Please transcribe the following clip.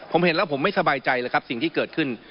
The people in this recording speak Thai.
ผมเห็นแล้วผมไม่สบายใจเลยครับสิ่งที่เกิดขึ้น